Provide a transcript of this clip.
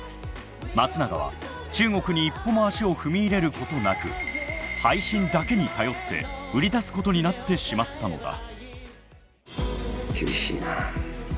松永は中国に一歩も足を踏み入れることなく配信だけに頼って売り出すことになってしまったのだ。